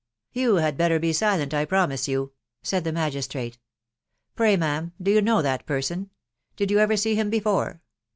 " You had better. be silent, I promise you," said the .magis trate. "Pray, ma'am, do you know that person? .... X>id •you ever see him before